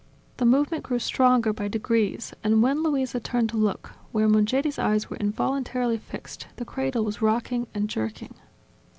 The movement grew stronger by degrees, and when Luisa turned to look where Mongeri's eyes were involuntarily fixed, the cradle was rocking and jerking.